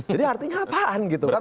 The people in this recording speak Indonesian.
jadi artinya apaan gitu kan